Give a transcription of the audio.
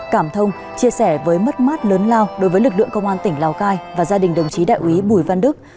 cảm thông chia sẻ với mất mát lớn lao đối với lực lượng công an tỉnh lào cai và gia đình đồng chí đại quý bùi văn đức